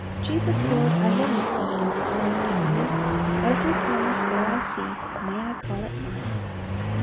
"Jesus, Lord, I learn of Thee, In Thy word divine; Every promise there I see, May I call it mine!"